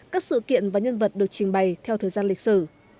các sự kiện và nhân vật được trình bày theo thời gian lịch sử